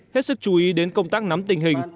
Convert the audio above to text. hết sức chú ý đến công tác nắm tình hình